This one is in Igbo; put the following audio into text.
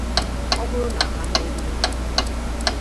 ọ bụrụ na ha merie